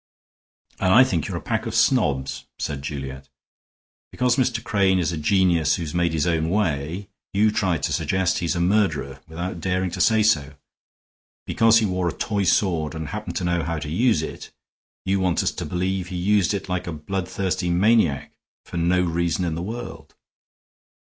"And I think you're a pack of snobs," said Juliet. "Because Mr. Crane is a genius who's made his own way, you try to suggest he's a murderer without daring to say so. Because he wore a toy sword and happened to know how to use it, you want us to believe he used it like a bloodthirsty maniac for no reason in the world.